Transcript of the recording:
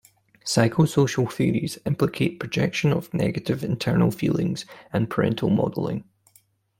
Psychosocial theories implicate projection of negative internal feelings and parental modeling.